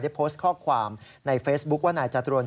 โพสต์ข้อความในเฟซบุ๊คว่านายจตุรน